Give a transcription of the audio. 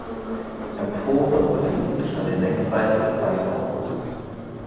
Emporen befinden sich an den Längsseiten des Langhauses.